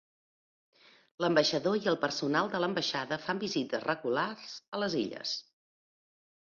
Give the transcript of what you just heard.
L'ambaixador i el personal de l'ambaixada fan visites regulars a les illes.